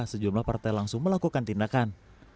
sejumlah partai langsung melakukan tindakan